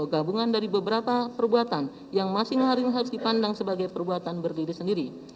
gabungan dari beberapa perbuatan yang masing masing harus dipandang sebagai perbuatan berdiri sendiri